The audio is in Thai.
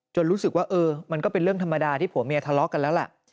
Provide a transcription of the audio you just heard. รู้สึกว่าเออมันก็เป็นเรื่องธรรมดาที่ผัวเมียทะเลาะกันแล้วล่ะ